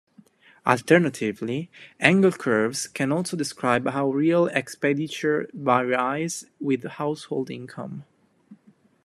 Alternatively, Engel curves can also describe how real expenditure varies with household income.